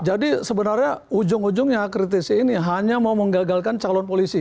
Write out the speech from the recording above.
jadi sebenarnya ujung ujungnya kritisi ini hanya mau menggagalkan calon polisi